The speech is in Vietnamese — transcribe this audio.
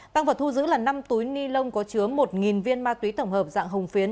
tăng vật thu giữ là năm túi ni lông có chứa một viên ma túy tổng hợp dạng hồng phiến